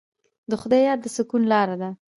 د خدای یاد د سکون لاره ده.